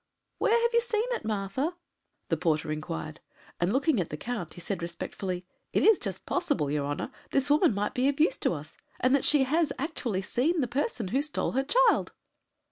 "Where have you seen it, Martha?" the porter inquired; and looking at the Count, he said respectfully: "It is just possible, your honour, this woman might be of use to us, and that she has actually seen the person who stole her child."